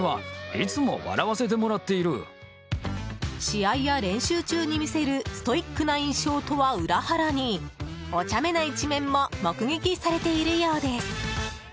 試合や練習中に見せるストイックな印象とは裏腹にお茶目な一面も目撃されているようです。